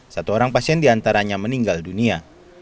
satu orang pasien diantaranya meninggal dunia